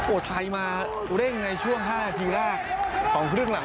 ไทยมาเร่งในช่วง๕นาทีแรกของครึ่งหลัง